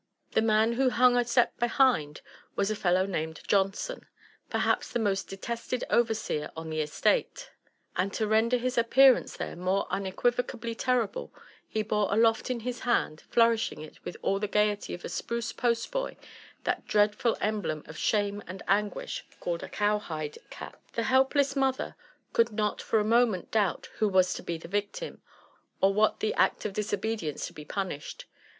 The man who hung a step behind, was a fellow named Johnson, perhaps the most detested overseer on the estate ; and to render his appearance there more unequivocally terrible, he bore aloft in his hand, flourishing it with all the gaiety of a spruce postboy, that dreadful emblem of shame and anguisii called a cow hide oat. The helpless mother could not for a moment doubt who was to bo the victim, or what the act of disobedience to be punished.